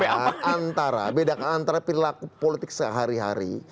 beda antara bedakan antara perilaku politik sehari hari